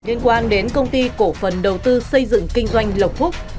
liên quan đến công ty cổ phần đầu tư xây dựng kinh doanh lộc phúc